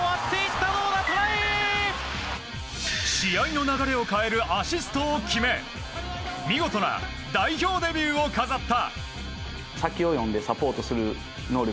試合の流れを変えるアシストを決め見事な代表デビューを飾った。